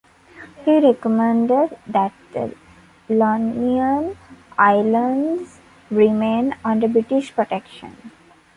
He recommended that the Ionian Islands remain under British protection.